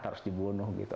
harus dibunuh gitu